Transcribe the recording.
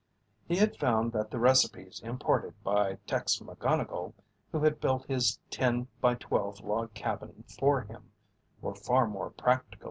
He had found that the recipes imparted by Tex McGonnigle, who had built his ten by twelve log cabin for him, were far more practical.